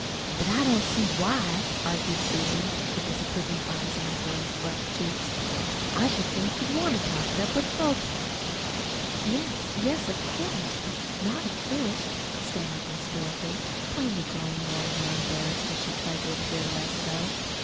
"But I don't see why," argued Susan, her disapproving eyes on the girl's flushed cheeks. "I should think you'd want to talk it up with both of 'em." "Yes, yes, of course; but not not at first," stammered Miss Dorothy, plainly growing more and more embarrassed as she tried to appear less so.